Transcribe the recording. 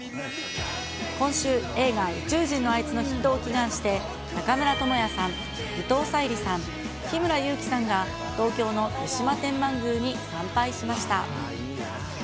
今週、映画、宇宙人のあいつのヒットを祈願して、中村倫也さん、伊藤沙莉さん、日村勇紀さんが、東京の湯島天満宮に参拝しました。